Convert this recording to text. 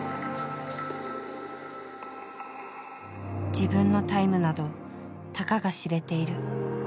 自分のタイムなどたかが知れている。